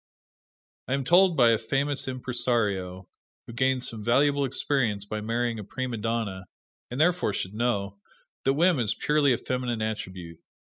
I am told by a famous impresario, who gained some valuable experience by marrying a prima donna, and therefore should know, that whim is purely a feminine attribute.